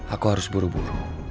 aku harus buru buru